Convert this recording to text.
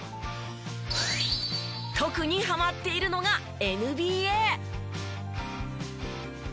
特にハマっているのがＮＢＡ。